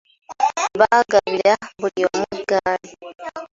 Baagabira buli omu eggaali.